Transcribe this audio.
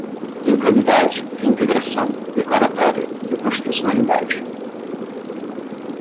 improbidade, reintegração, declaratória, inconstitucionalidade